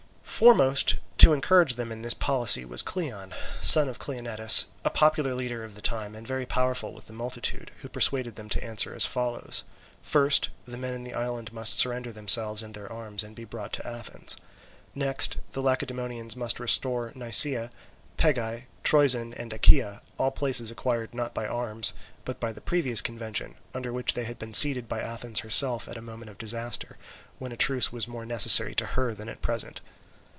Foremost to encourage them in this policy was Cleon, son of Cleaenetus, a popular leader of the time and very powerful with the multitude, who persuaded them to answer as follows: First, the men in the island must surrender themselves and their arms and be brought to Athens. Next, the Lacedaemonians must restore Nisaea, Pegae, Troezen, and Achaia, all places acquired not by arms, but by the previous convention, under which they had been ceded by Athens herself at a moment of disaster, when a truce was more necessary to her than at present.